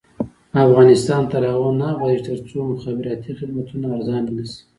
افغانستان تر هغو نه ابادیږي، ترڅو مخابراتي خدمتونه ارزانه نشي.